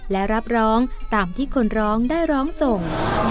และรับร้องตามที่คนร้องได้ร้องส่ง